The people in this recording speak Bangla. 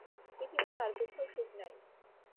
পৃথিবীতে আর কোথাও সুখ নাই।